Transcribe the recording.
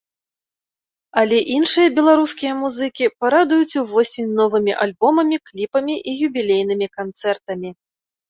Але іншыя беларускія музыкі парадуюць увосень новымі альбомамі, кліпамі і юбілейнымі канцэртамі.